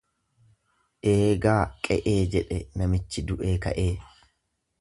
Eegaa qe'ee jedhe namichi du'ee ka'ee.